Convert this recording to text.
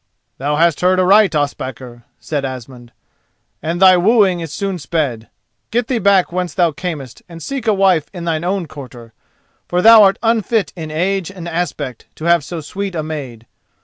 "Thou hast heard aright, Ospakar," said Asmund, "and thy wooing is soon sped. Get thee back whence thou camest and seek a wife in thine own quarter, for thou art unfit in age and aspect to have so sweet a maid.